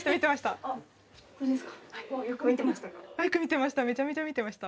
あっよく見てましたか？